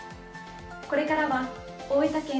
これからは大分県